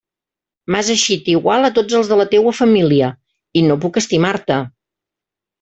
M'has eixit igual a tots els de la teua família, i no puc estimar-te.